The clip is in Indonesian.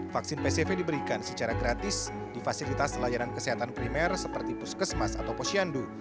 vaksin pcv diberikan secara gratis di fasilitas layanan kesehatan primer seperti puskesmas atau posyandu